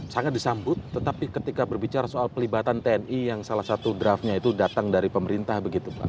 sangat disambut tetapi ketika berbicara soal pelibatan tni yang salah satu draftnya itu datang dari pemerintah begitu pak